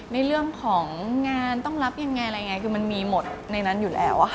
ในเรื่องของงานต้องรับยังไงมันมีหมดในนั้นอยู่แล้ว